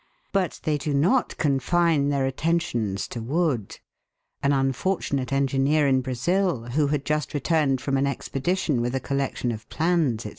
But they do not confine their attentions to wood. An unfortunate engineer in Brazil who had just returned from an expedition with a collection of plans, &c.